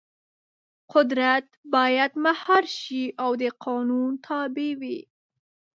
قدرت باید مهار شي او د قانون تابع وي.